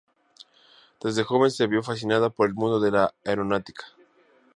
Desde joven se vio fascinada por el mundo de la aeronáutica.